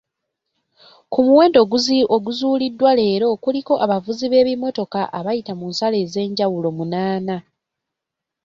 Ku muwendo oguzuuliddwa leero kuliko abavuzi b’ebimotoka abayita ku nsalo ez’enjawulo munaana.